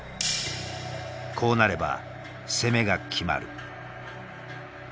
こうなれば攻めが決まる。